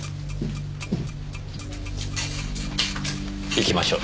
行きましょう。